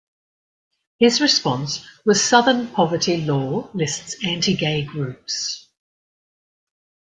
His response was Southern Poverty Law lists anti-gay groups.